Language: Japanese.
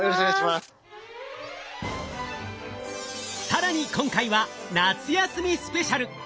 更に今回は夏休みスペシャル！